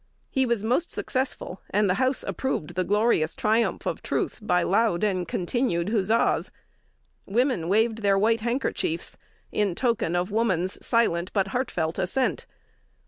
He was most successful, and the house approved the glorious triumph of truth by loud and continued huzzas. Women waved their white handkerchiefs in token of woman's silent but heartfelt assent.